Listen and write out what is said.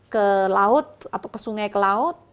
ke laut atau ke sungai ke laut